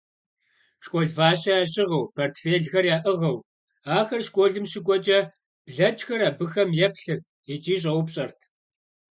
Школ фащэ ящыгъыу, портфелхэр яӀыгъыу ахэр школым щыкӀуэкӀэ, блэкӀхэр абыхэм еплъырт икӀи щӀэупщӀэрт: